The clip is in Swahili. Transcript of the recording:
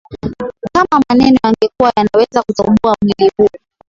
Kama maneno yangekuwa yanaweza kutoboa mwili huu